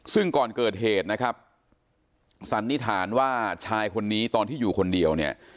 ซึ่งก่อนเกิดเหตุนะครับสันนิษฐานว่าชายคนนี้ตอนที่อยู่คนเดียวเนี่ย